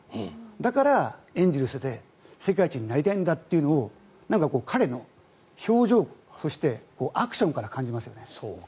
だから、エンゼルスで世界一になりたいんだっていうのをなんか彼の表情そしてアクションから感じますよね。